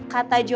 gak apa apa sih